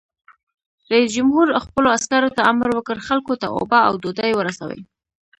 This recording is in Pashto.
رئیس جمهور خپلو عسکرو ته امر وکړ؛ خلکو ته اوبه او ډوډۍ ورسوئ!